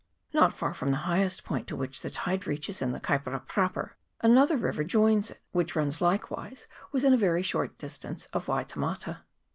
Not far from the highest point to which the tide reaches in the Kaipara proper another river joins it, which runs likewise within a very short distance of Waitemata.